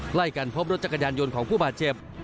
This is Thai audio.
ใกล้กันพบรถจักรยานยนต์ของผู้บาดเจ็บ